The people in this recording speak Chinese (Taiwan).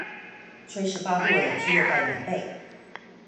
吹十八度的冷氣又蓋棉被